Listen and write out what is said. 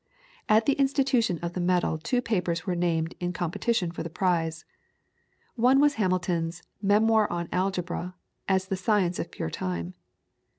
At the institution of the medal two papers were named in competition for the prize. One was Hamilton's "Memoir on Algebra, as the Science of Pure Time."